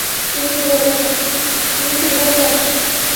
আমি খুব হতাশ।